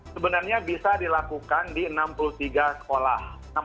sebenarnya bisa dilakukan di enam puluh tiga sekolah